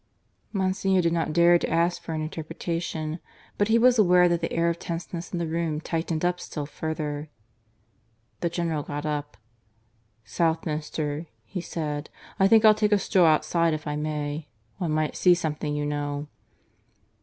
Monsignor did not dare to ask for an interpretation. But he was aware that the air of tenseness in the room tightened up still further. The General got up. "Southminster," he said, "I think I'll take a stroll outside if I may. One might see something, you know."